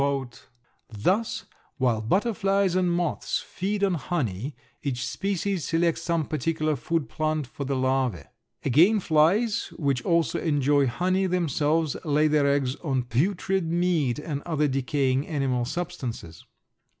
"Thus while butterflies and moths feed on honey, each species selects some particular food plant for the larvæ. Again flies, which also enjoy honey themselves, lay their eggs on putrid meat and other decaying animal substances."